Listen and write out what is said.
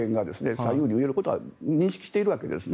左右に揺れることは認識しているわけですね。